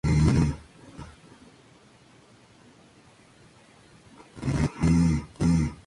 El "Independence of the Seas" es el tercer barco de la clase Libertad.